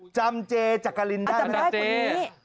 จำเจจักรินท่านไหม